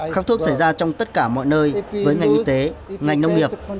kháng thuốc xảy ra trong tất cả mọi nơi với ngành y tế ngành nông nghiệp